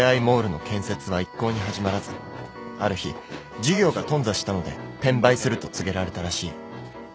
モールの建設は一向に始まらずある日事業が頓挫したので転売すると告げられたらしい。